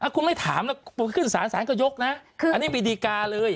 คุณไม่ถามนะขึ้นสรรค์สรรค์ก็ยกนะอันนี้บิดีการ์เลย